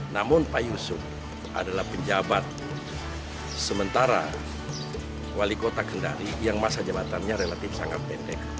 namun pak yusuf adalah penjabat sementara wali kota kendari yang masa jabatannya relatif sangat pendek